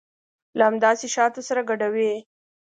له همداسې شاتو سره ګډوي.